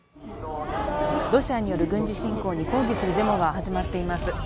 ロシアによる軍事侵攻に抗議するデモが始まっています。